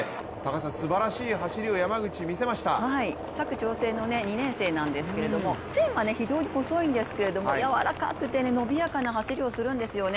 すばらしい走りを山口、見せました佐久長聖の２年生なんですけれども線は非常に細いんですがやわらかくて伸びやかな走りをするんですよね。